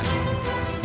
aku sudah dua kali